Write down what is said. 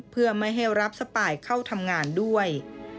เพื่อไม่ให้รับสปายเข้าทำงานด้วย